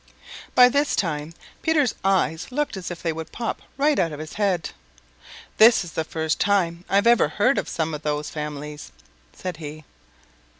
By this time Peter's eyes looked as if they would pop right out of his head. "This is the first time I've ever heard of some of those families," said he.